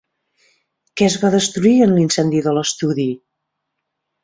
Què es va destruir en l'incendi de l'estudi?